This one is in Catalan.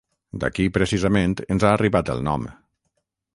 D'aquí, precisament, ens ha arribat el nom.